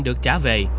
được trả về